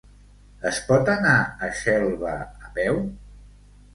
Es pot anar a Xelva a peu?